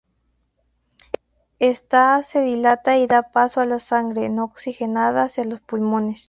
Ésta se dilata y da paso a la sangre no oxigenada hacia los pulmones.